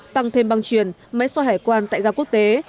tăng thêm băng chuyển máy xoay hải quan tại gà quốc tế